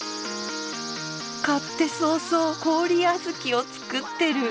買って早々氷あづきを作ってる！